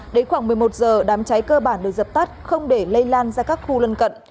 đến khoảng một mươi một giờ đám cháy cơ bản được dập tắt không để lây lan ra các khu lân cận